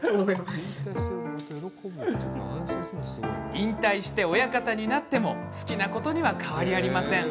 引退して親方になっても好きなことには変わりありません。